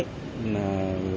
đưa em gái